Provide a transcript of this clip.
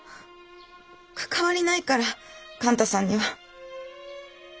関わりないから勘太さんには。